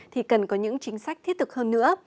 thì cần có những chính sách thiết thực hơn nữa